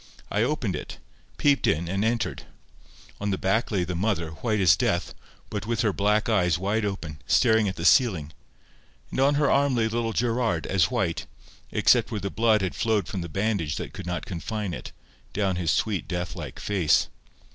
I opened it, peeped in, and entered. On the bed lay the mother, white as death, but with her black eyes wide open, staring at the ceiling: and on her arm lay little Gerard, as white, except where the blood had flowed from the bandage that could not confine it, down his sweet deathlike face.